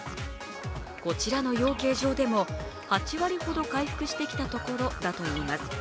こちらの養鶏場でも、８割ほど回復してきたところだといいます。